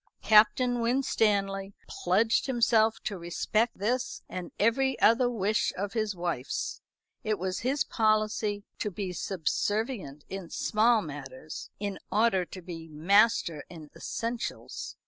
Captain Winstanley pledged himself to respect this and every other wish of his wife's. It was his policy to be subservient in small matters, in order to be master in essentials.